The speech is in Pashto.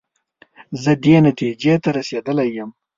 زه دې نتیجې ته رسېدلی یم.